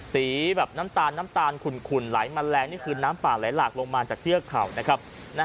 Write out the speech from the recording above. สีแบบน้ำตาลคุ่นหลายมาแลนี่คือน้ำป่าหลายหลากลงมาจากเที่ยวเขานะครับ